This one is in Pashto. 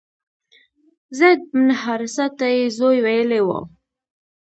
زید بن حارثه ته یې زوی ویلي و.